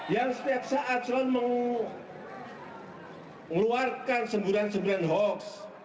yang setiap saat selalu mengeluarkan semburan semburan hoax